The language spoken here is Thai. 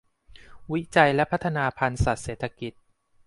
วิจัยและพัฒนาพันธุ์สัตว์เศรษฐกิจ